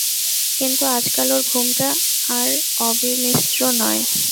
কিন্তু আজকাল ওর ঘুমটা আর অবিমিশ্র নয়।